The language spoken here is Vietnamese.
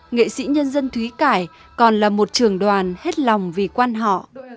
nghệ sĩ nhân dân thúy cải còn là một trường đoàn hết lòng vì quan họ